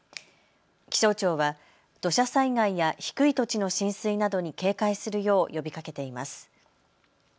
気象庁は土砂災害や低い土地の浸水などに警戒するよう呼びかけています。